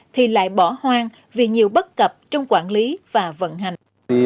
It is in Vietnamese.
thì lại bỏ hoang vì nhiều bất cập trong quản lý và vận hành